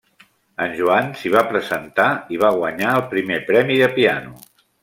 En Joan s'hi va presentar i va guanyar el primer premi de piano.